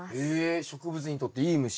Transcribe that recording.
え植物にとっていい虫。